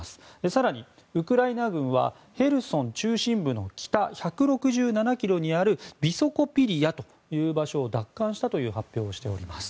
更にウクライナ軍はヘルソン中心部の北１６７ｋｍにあるビソコピリヤという場所を奪還したという発表をしております。